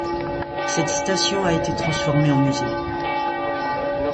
Cette station a été transformée en musée.